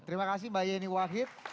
terima kasih mbak yeni wahid